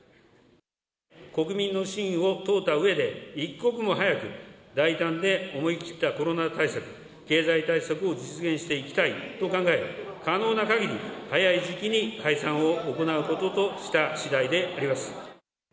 国民の信を問うたうえで、一刻も早く、大胆で思い切ったコロナ対策、経済対策を実現していきたいと考え、可能なかぎり早い時期に解散を行うこととしたしだいであります。